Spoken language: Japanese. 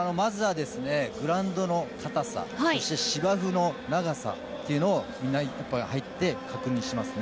グラウンドの硬さそして、芝生の長さというのをみんな入って、確認しますね。